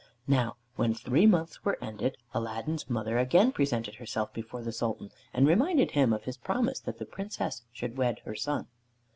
Now when three months were ended, Aladdin's mother again presented herself before the Sultan, and reminded him of his promise, that the Princess should wed her son.